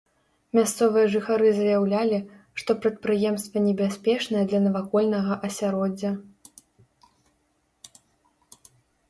Мясцовыя жыхары заяўлялі, што прадпрыемства небяспечнае для навакольнага асяроддзя.